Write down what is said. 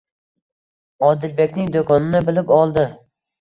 Odilbekning do'konini bilib oldi.